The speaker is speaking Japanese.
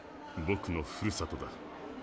ぼくのふるさとだ。